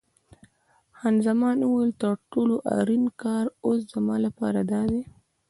خان زمان وویل: تر ټولو اړین کار اوس زما لپاره دادی.